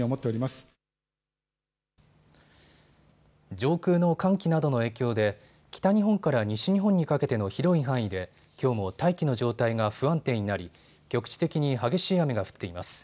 上空の寒気などの影響で北日本から西日本にかけての広い範囲できょうも大気の状態が不安定になり局地的に激しい雨が降っています。